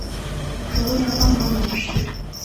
除了要帮忙农事